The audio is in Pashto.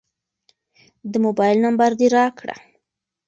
د موبایل نمبر دې راکړه.